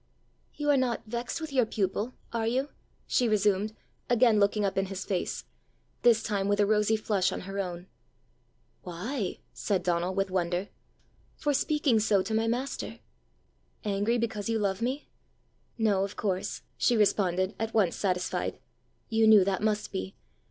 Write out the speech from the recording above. "You are not vexed with your pupil are you?" she resumed, again looking up in his face, this time with a rosy flush on her own. "Why?" said Donal, with wonder. "For speaking so to my master." "Angry because you love me?" "No, of course!" she responded, at once satisfied. "You knew that must be!